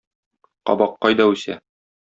Кабак кайда үсә?